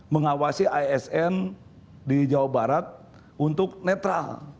mengawasi asn di jawa barat untuk netral